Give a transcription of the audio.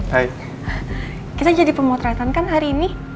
hai kita jadi pemotretan kan hari ini